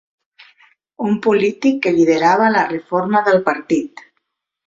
Un polític que liderava la reforma del partit.